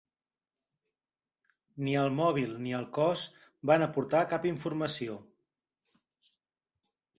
Ni el mòbil ni el cos van aportar cap informació.